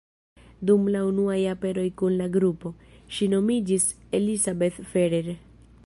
Dum la unuaj aperoj kun la grupo, ŝi nomiĝis Elisabeth Ferrer.